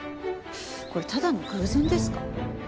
これただの偶然ですか？